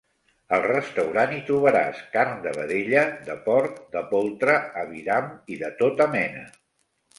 Al restaurant hi trobaràs carn de vedella, de porc, de poltre, aviram i de tota mena.